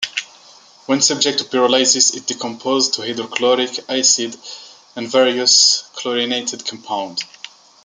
When subject to pyrolysis, it decomposes to hydrochloric acid and various chlorinated compounds.